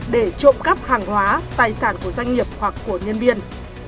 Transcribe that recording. để trộm cắp hàng hóa tài sản của doanh nghiệp hoặc của nhân viên